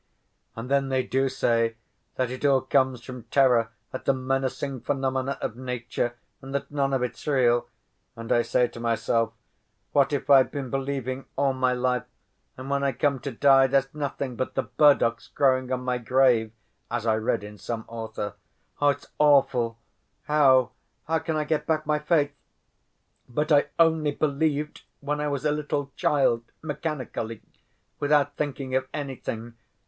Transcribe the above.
And then they do say that it all comes from terror at the menacing phenomena of nature, and that none of it's real. And I say to myself, 'What if I've been believing all my life, and when I come to die there's nothing but the burdocks growing on my grave?' as I read in some author. It's awful! How—how can I get back my faith? But I only believed when I was a little child, mechanically, without thinking of anything.